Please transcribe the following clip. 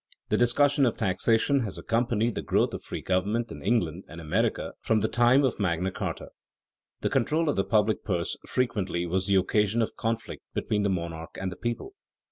_ The discussion of taxation has accompanied the growth of free government in England and America from the time of Magna Charta. The control of the public purse frequently was the occasion of conflict between the monarch and the people.